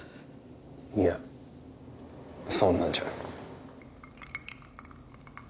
いやそんなんじゃ